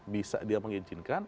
bisa dia mengizinkan